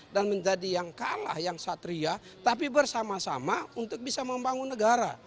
dan menjadi yang kalah yang satria tapi bersama sama untuk bisa membangun negara